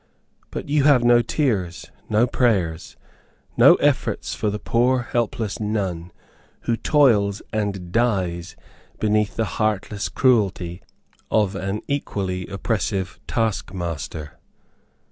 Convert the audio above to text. But you have no tears, no prayers, no efforts for the poor helpless nun who toils and dies beneath the heartless cruelty of an equally oppressive task master.